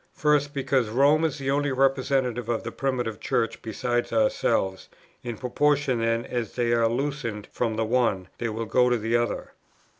First, because Rome is the only representative of the Primitive Church besides ourselves; in proportion then as they are loosened from the one, they will go to the other.